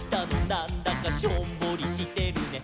なんだかしょんぼりしてるね」